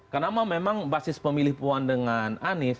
karena memang basis pemilih puan dengan anies